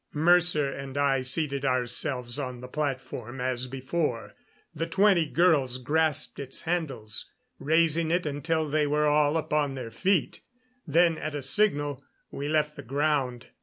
Mercer and I seated ourselves on the platform as before; the twenty girls grasped its handles, raising it until they were all upon their feet; then, at a signal, we left the ground.